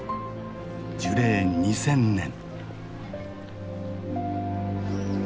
樹齢２，０００年。